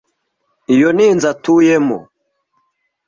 Iyo ni yo nzu atuyemo.